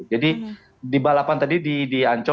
jadi di balapan tadi di ancol